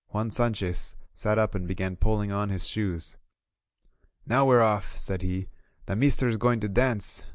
Juan Sanchez sat up and began pulling on his shoes. "Now we're off!" said he. "The meester is going to dance!